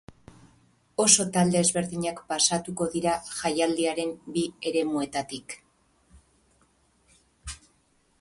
Oso talde ezberdinak pasatuko dira jaialdiaren bi eremuetatik.